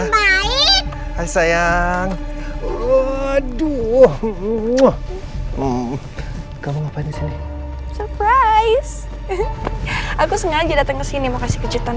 hai sayang aduh kamu ngapain disini surprise aku sengaja datang ke sini mau kasih kejutan